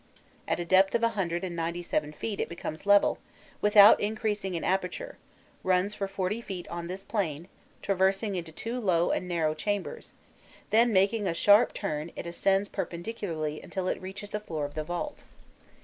At a depth of a hundred and ninety seven feet it becomes level, without increasing in aperture, runs for forty feet on this plane, traversing two low and narrow chambers, then making a sharp turn it ascends perpendicularly until it reaches the floor of the vault.